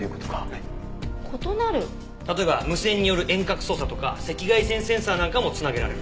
例えば無線による遠隔操作とか赤外線センサーなんかも繋げられる。